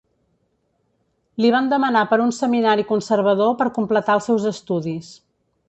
Li van demanar per un seminari conservador per completar els seus estudis.